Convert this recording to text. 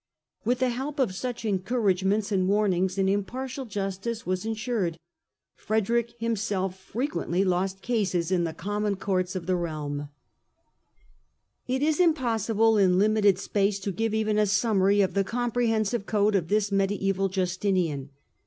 With the help of such encouragements and warnings an impartial justice was ensured : Frederick himself frequently lost cases in the common courts of the realm. THE YEARS OF SOLACE 109 It is impossible, in limited space, to give even a sum mary of the comprehensive code of this mediaeval Justinian.